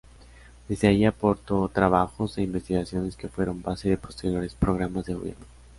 Desde allí aportó trabajos e investigaciones que fueron base de posteriores programas de gobierno.